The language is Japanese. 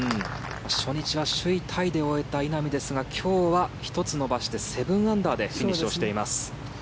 初日は首位タイで終えた稲見ですが今日は１つ伸ばして７アンダーでフィニッシュしています。